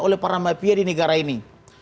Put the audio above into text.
oleh para mafia di negara ini